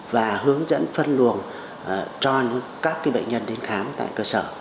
và hướng dẫn phân luồng cho các bệnh nhân đến khám tại cơ sở